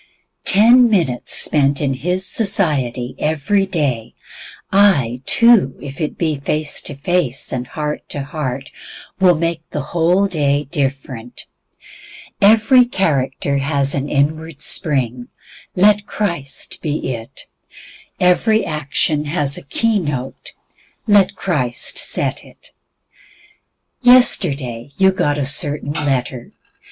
Ten minutes spent in His society every day, ay, two minutes if it be face to face, and heart to heart, will make the whole day different. Every character has an inward spring, let Christ be it. Every action has a key note, let Christ set it. Yesterday you got a certain letter.